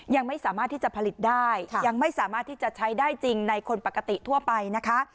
ยังไม่สามารถที่จะผลิตได้ยังไม่สามารถที่จะใช้ได้จริงในคนปกติทั่วไปนะคะ